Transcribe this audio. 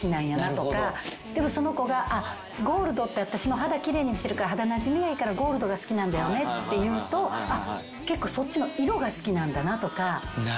でもその子がゴールドって私の肌奇麗に見せるから肌なじみがいいからゴールドが好きなんだよねって言うと結構そっちの色が好きなんだなとか。